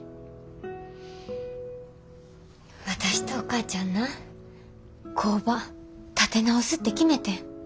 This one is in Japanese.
私とお母ちゃんな工場立て直すって決めてん。